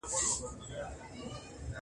زیارت کوم نه را رسیږي!